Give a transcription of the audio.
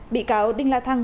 bị cáo đinh la thăng